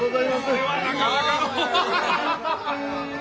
これはなかなかの。